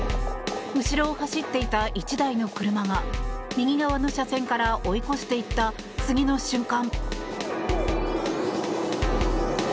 後ろを走っていた１台の車が右側の車線から追い越していった次の瞬間。